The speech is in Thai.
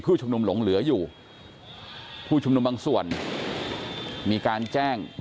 ผู้ชุมนุมบางส่วนมีการแจ้ง